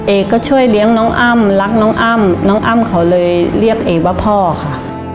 เอก็ช่วยเลี้ยงน้องอ้ำรักน้องอ้ำน้องอ้ำเขาเลยเรียกเอว่าพ่อค่ะ